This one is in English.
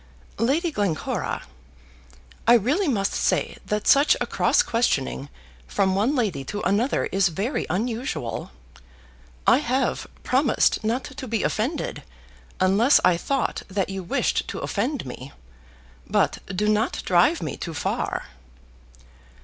"Lady Glencora, I really must say that such a cross questioning from one lady to another is very unusual. I have promised not to be offended, unless I thought that you wished to offend me. But do not drive me too far."